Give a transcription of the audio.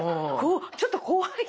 ちょっと怖い。